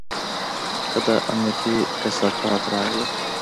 که دا امنيتي کثافات راغله.